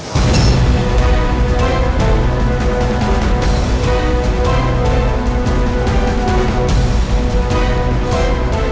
kami akan menemukan sesosok yang mencurigakan yang ada di depur kami